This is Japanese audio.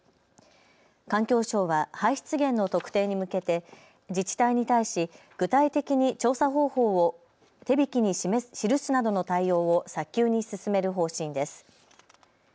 環境省は排出源の特定に向けて自治体に対し具体的に調査方法を手引に記すなどの対応を早急に進める方針です。